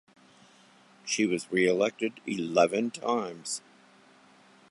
She was re-elected eleven times.